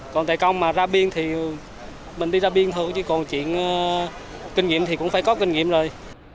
còn tài công mà ra biên thì mình đi ra biên thôi chứ còn chuyện kinh nghiệm thì cũng phải có kinh nghiệm rồi